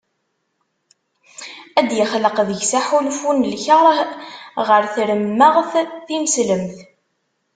Ad d-ixleq deg-s aḥulfu n lkerh ɣer tremmeɣt tineslemt.